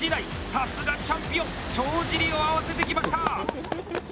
さすがチャンピオン帳尻を合わせてきました。